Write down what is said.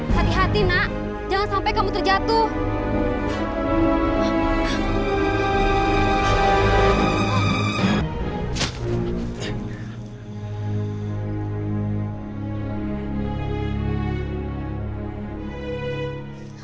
hati hati nak jangan sampai kamu terjatuh